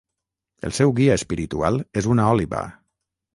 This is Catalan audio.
El seu guia espiritual és una òliba.